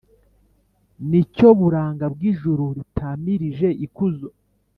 ni cyo buranga bw’ijuru ritamirije ikuzo.